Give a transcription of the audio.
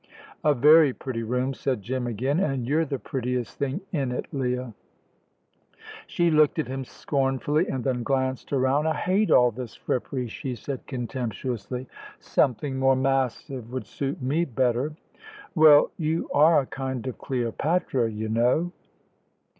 "A very pretty room," said Jim, again; "and you're the prettiest thing in it, Leah." She looked at him scornfully, and then glanced around. "I hate all this frippery" she said contemptuously. "Something more massive would suit me better." "Well, you are a kind of Cleopatra, y' know."